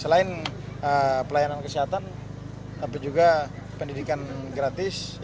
selain pelayanan kesehatan tapi juga pendidikan gratis